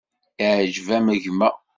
Iεǧeb-am gma?